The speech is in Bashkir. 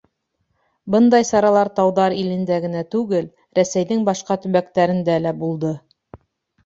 Бындай саралар тауҙар илендә генә түгел, Рәсәйҙең башҡа төбәктәрендә лә булды.